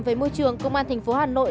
với môi trường công an tp hà nội